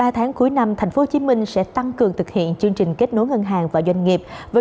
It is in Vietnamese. ba tháng cuối năm tp hcm sẽ tăng cường thực hiện chương trình kết nối ngân hàng và doanh nghiệp với